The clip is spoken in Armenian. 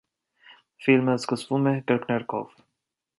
Ֆիլմը սկսվում է կրկներգով։